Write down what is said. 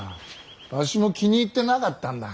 わしも気に入ってなかったんだ。